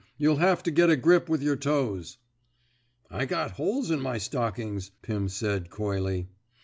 You'll have to get a grip with your toes." I got holes in my stockings," Pirn said, coyly.